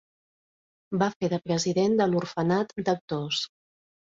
Va fer de president de l'Orfenat d'Actors.